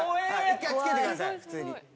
一回つけてください普通に。